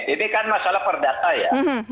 ini kan masalah perdata ya